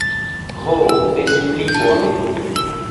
Ho, des pli bone.